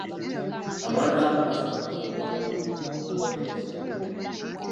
Abantu abamu basonyiyibwa okubonerezebwa.